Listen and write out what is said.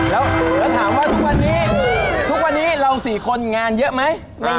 แล้วถามว่าทุกวันนี้ทุกวันนี้เรา๔คนงานเยอะไหม